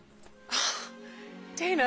あっデイナ